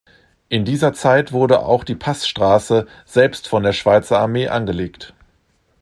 In dieser Zeit wurde auch die Passstrasse selbst von der Schweizer Armee angelegt.